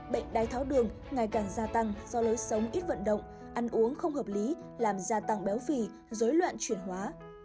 bệnh đai tháo đường ngày càng gia tăng do lối sống ít vận động ăn uống không hợp lý làm gia tăng béo phì dối loạn chuyển hóa